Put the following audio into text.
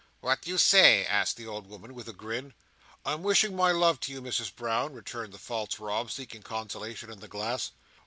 "What do you say?" asked the old woman, with a grin. "I'm wishing my love to you, Misses Brown," returned the false Rob, seeking consolation in the glass.